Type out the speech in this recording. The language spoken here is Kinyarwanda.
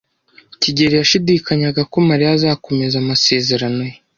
kigeli yashidikanyaga ko Mariya azakomeza amasezerano ye.